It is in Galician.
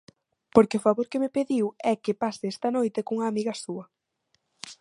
Porque o favor que me pediu é que pase esta noite cunha amiga súa.